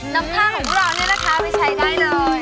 น้ำท่าของเราเนี้ยนะครับมันใช้ได้เลย